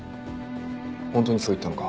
本当にそう言ったのか？